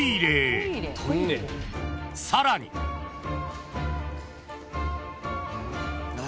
［さらに］何？